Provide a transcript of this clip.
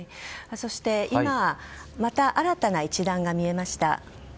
今また新たな一団が見えました。